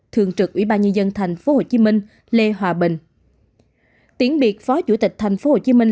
trực ủy ba nhân dân thành phố hồ chí minh lê hòa bình tiến biệt phó chủ tịch thành phố hồ chí minh